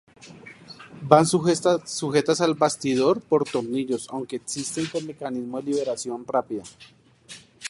Van sujetas al bastidor por tornillos aunque existen con mecanismos de liberación rápida.